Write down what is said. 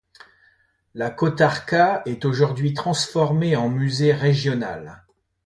La kotarka est aujourd'hui transformée en musée régional.